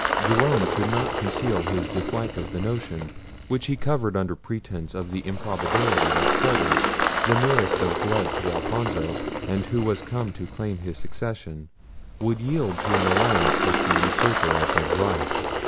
Jerome could not conceal his dislike of the notion, which he covered under pretence of the improbability that Frederic, the nearest of blood to Alfonso, and who was come to claim his succession, would yield to an alliance with the usurper of his right.